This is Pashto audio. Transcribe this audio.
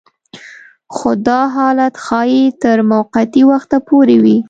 خو دا حالت ښايي تر موقتي وخته پورې وي